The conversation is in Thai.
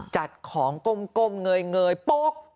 จัดของกลมกลมเงยเงยปลูก